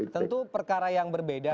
tentu perkara yang berbeda